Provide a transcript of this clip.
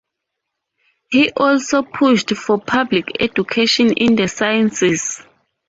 He also pushed for public education in the sciences.